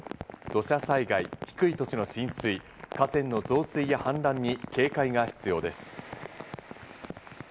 土砂災害、低い土地の浸水、河川の増水や氾濫に警戒が必要です。